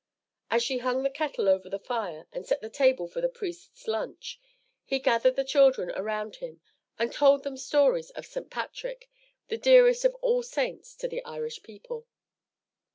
As she hung the kettle over the fire and set the table for the priest's lunch, he gathered the children around him and told them stories of St. Patrick, the dearest of all saints to the Irish people.